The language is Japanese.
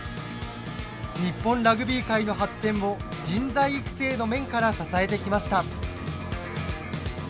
日本ラグビー界の発展を人材育成の面から支えてきました。